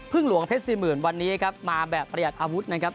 พึ่งหลวงเพชรสี่หมื่นวันนี้ครับมาแบบเปรียดอาวุธนะครับ